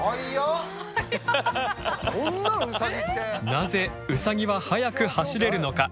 なぜウサギは速く走れるのか？